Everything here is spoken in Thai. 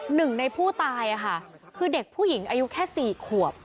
หนึ่งในผู้ตายค่ะคือเด็กผู้หญิงอายุแค่๔ขวบ